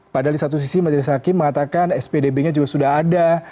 padahal di satu sisi majelis hakim mengatakan spdb nya juga sudah ada